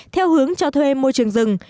theo hướng cho thuê môi trường rừng